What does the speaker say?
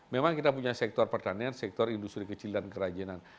memang kita punya sektor pertanian sektor industri kecil dan kerajinan